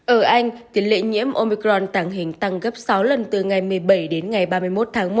ở anh tỷ lệ nhiễm omicron tàng hình tăng gấp sáu lần từ ngày một mươi bảy đến ngày ba mươi một tháng một